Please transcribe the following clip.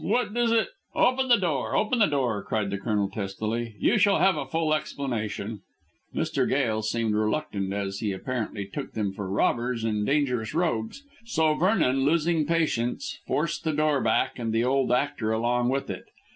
What does it " "Open the door, open the door!" cried the Colonel testily; "you shall have a full explanation." Mr. Gail still seemed reluctant, as he apparently took them for robbers and dangerous rogues, so Vernon, losing patience, forced the door back and the old actor along with it.